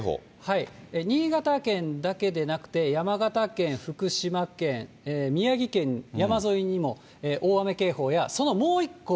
新潟県だけでなくて、山形県、福島県、宮城県の山沿いにも、大雨警報やそのもう一個